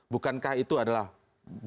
bukankah itu adalah bagian bagian sedang dikendali